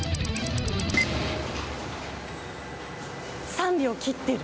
３秒切ってる。